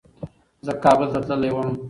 زه کابل ته تللی وم.